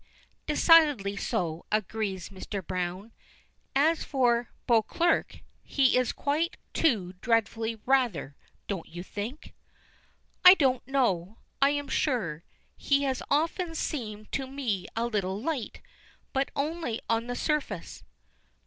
"Decidedly so," agrees Mr. Browne. "And as for Beauclerk, he is quite too dreadfully 'rather,' don't you think?" "I don't know, I'm sure. He has often seemed to me a little light, but only on the surface."